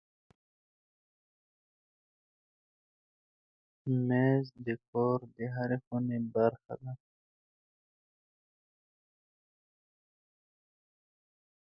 مېز د کور د هرې خونې برخه ده.